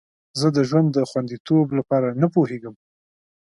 زه د ژوند خوندیتوب لپاره نه پوهیږم.